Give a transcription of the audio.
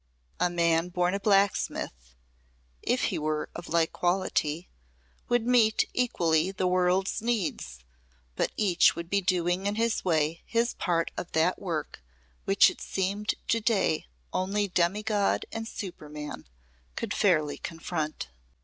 A man born a blacksmith, if he were of like quality, would meet equally the world's needs, but each would be doing in his way his part of that work which it seemed to day only demigod and superman could fairly confront.